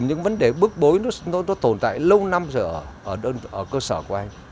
những vấn đề bức bối nó tồn tại lâu năm rồi ở cơ sở của anh